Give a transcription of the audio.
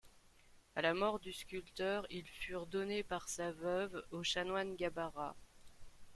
À la mort du sculpteur, ils furent donnés par sa veuve au chanoine Gabarra.